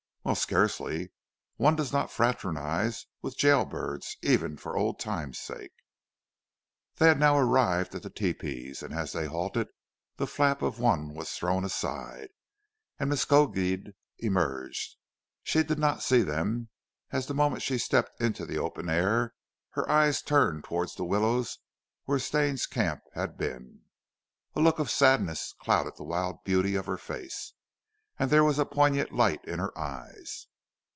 "Well, scarcely. One does not fraternise with gaol birds even for old time's sake." They had now arrived at the tepees and as they halted, the flap of one was thrown aside, and Miskodeed emerged. She did not see them, as the moment she stepped into the open air her eyes turned towards the willows where Stane's camp had been. A look of sadness clouded the wild beauty of her face, and there was a poignant light in her eyes.